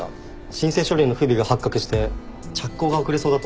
申請書類の不備が発覚して着工が遅れそうだと。